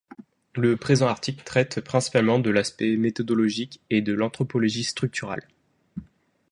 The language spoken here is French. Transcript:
Le présent article traite principalement de l’aspect méthodologique de l’anthropologie structurale.